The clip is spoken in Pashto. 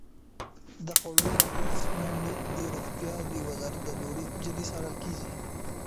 د خوړو مسمومیت د روغتیا د وزارت له لوري جدي څارل کیږي.